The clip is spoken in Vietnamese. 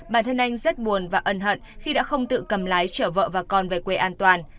bản thân anh rất buồn và ân hận khi đã không tự cầm lái chở vợ và con về quê an toàn